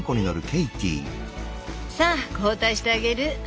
さぁ交代してあげる。